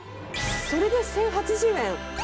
それで１０８０円。